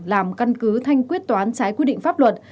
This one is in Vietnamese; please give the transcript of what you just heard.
làm căn cứ thanh quyết toán trái quy định pháp luật